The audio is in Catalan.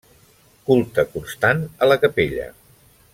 Culte constant a la capella.